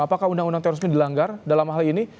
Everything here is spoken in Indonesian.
apakah undang undang terorisme dilanggar dalam hal ini